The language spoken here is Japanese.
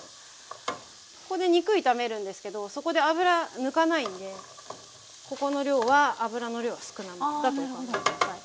ここで肉炒めるんですけどそこで脂抜かないんでここの量は油の量は少なめだとお考え下さい。